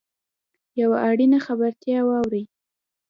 یوه اړینه خبرتیا واورﺉ .